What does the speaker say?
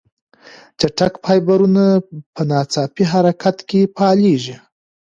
چټک فایبرونه په ناڅاپي حرکت کې فعالېږي.